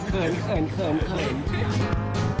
เขินเขินเขินเขิน